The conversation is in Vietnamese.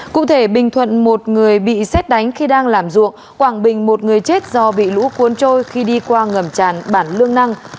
cụ thể bình thuận một người bị xét đánh khi đang làm ruộng quảng bình một người chết do bị lũ cuốn trôi khi đi qua ngầm tràn bản lương năng